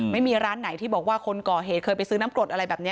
ไม่มีร้านไหนที่บอกว่าคนก่อเหตุเคยไปซื้อน้ำกรดอะไรแบบนี้